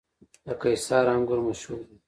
د قیصار انګور مشهور دي